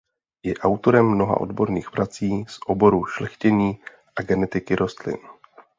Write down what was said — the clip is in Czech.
Je autorem mnoha odborných prací z oboru šlechtění a genetiky rostlin.